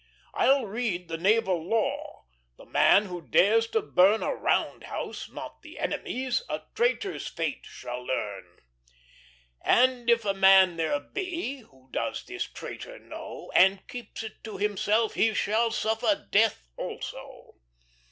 "I'll read the Naval Law; The man who dares to burn A round house, not the Enemy's, A traitor's fate shall learn. "And if a man there be, Who does this traitor know, And keeps it to himself, He shall suffer death also!